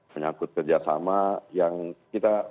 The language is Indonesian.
menyangkut kerjasama yang kita